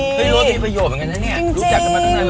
เคยรู้ว่ามีประโยชน์เหมือนกันนะนี่